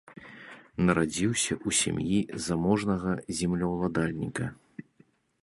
Нарадзіўся ў сям'і заможнага землеўладальніка.